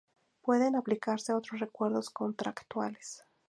Pueden aplicarse otros acuerdos contractuales.